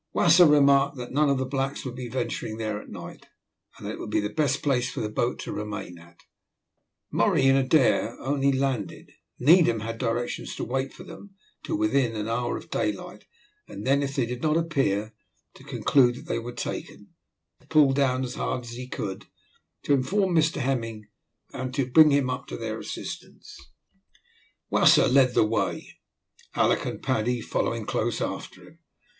Wasser remarked that none of the blacks would be venturing there at night, and that it would be the best place for the boat to remain at. Murray and Adair only landed. Needham had directions to wait for them till within an hour of daylight, and then, if they did not appear, to conclude that they were taken, and to pull down as hard as he could to inform Mr Hemming, and to bring him up to their assistance. Wasser led the way, Alick and Paddy following close after him.